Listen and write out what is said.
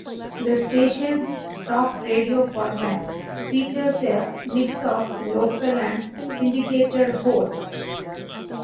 The station's talk radio format features a mix of local and syndicated hosts.